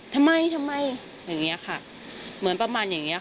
ทำไมทำไมอย่างนี้ค่ะเหมือนประมาณอย่างนี้ค่ะ